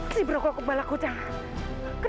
sini juga kian santang nek